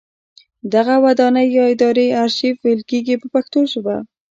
دغه ودانۍ یا ادارې ارشیف ویل کیږي په پښتو ژبه.